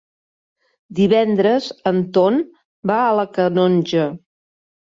Divendres en Ton va a la Canonja.